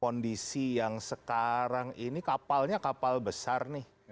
kondisi yang sekarang ini kapalnya kapal besar nih